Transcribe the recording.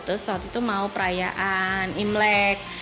terus waktu itu mau perayaan imlek